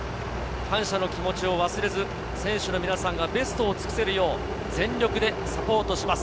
感謝の気持ちを忘れず選手の皆さんがベスト尽くせるよう全力でサポートします。